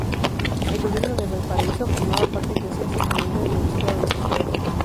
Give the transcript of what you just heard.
El Gobierno de Valparaíso formaba parte eclesiásticamente del obispado de Santiago.